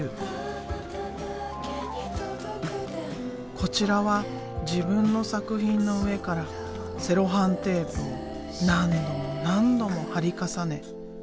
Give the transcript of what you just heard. こちらは自分の作品の上からセロハンテープを何度も何度も貼り重ねコラージュしたもの。